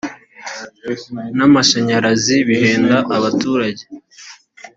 n amashanyarazi bihenda abaturage